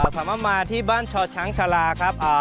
สามารถมาที่บ้านชอช้างชาลาครับ